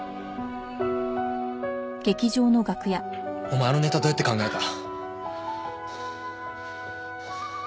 お前あのネタどうやって考えた？